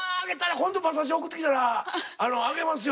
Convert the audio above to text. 今度馬刺し送ってきたらあげますよ。